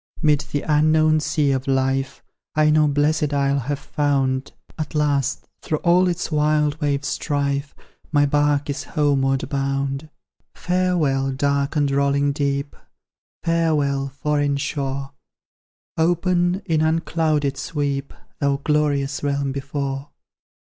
'Mid the unknown sea, of life I no blest isle have found; At last, through all its wild wave's strife, My bark is homeward bound. Farewell, dark and rolling deep! Farewell, foreign shore! Open, in unclouded sweep, Thou glorious realm before!